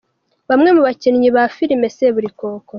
Bamwe mu bakinnyi ba filime Seburikoko.